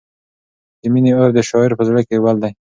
د مینې اور د شاعر په زړه کې بل دی.